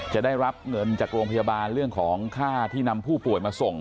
จะได้รับเงินจากโรงพยาบาลเรื่องของค่าที่นำผู้ป่วยมาส่ง